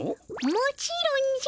もちろんじゃ。